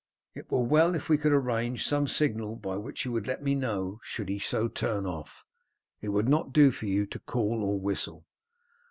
It were well if we could arrange some signal by which you would let me know should he so turn off. It would not do for you to call or whistle."